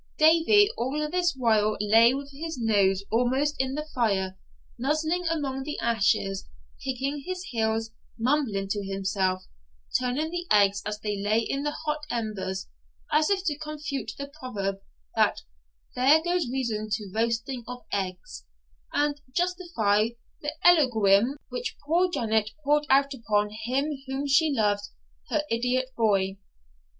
Davie all this while lay with his nose almost in the fire, nuzzling among the ashes, kicking his heels, mumbling to himself, turning the eggs as they lay in the hot embers, as if to confute the proverb, that 'there goes reason to roasting of eggs,' and justify the eulogium which poor Janet poured out upon Him whom she loved, her idiot boy.